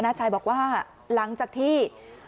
ชายบอกว่าหลังจากที่